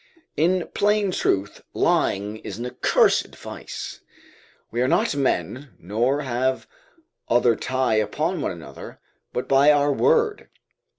In plain truth, lying is an accursed vice. We are not men, nor have other tie upon one another, but by our word.